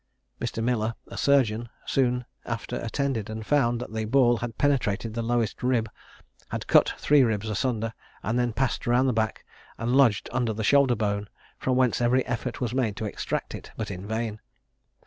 Mr. Miller, a surgeon, soon after attended, and found that the ball had penetrated the lowest rib, had cut three ribs asunder, and then passed round the back, and lodged under the shoulder bone, from whence every effort was made to extract it, but in vain.